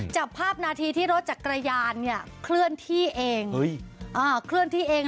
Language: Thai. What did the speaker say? จับภาพนาทีที่รถจากกระยานเคลื่อนที่เอง